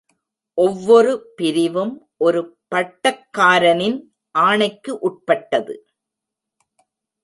ஒவ்வொரு பிரிவும் ஒரு பட்டக்காரனின் ஆணைக்கு உட்பட்டது.